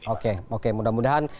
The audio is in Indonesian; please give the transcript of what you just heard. oke oke mudah mudahan